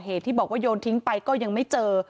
ที่บอกว่าโยนทิ้งไปก็ยังไม่เจอ